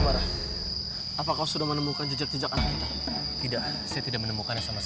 ya tapi mereka ada dimana kak